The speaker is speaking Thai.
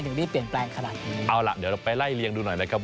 รีบเปลี่ยนแปลงขนาดนี้เอาล่ะเดี๋ยวเราไปไล่เลียงดูหน่อยนะครับ